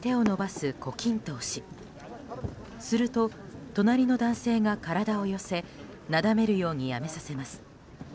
すると隣の男性が体を寄せなだめるようにやめさせます。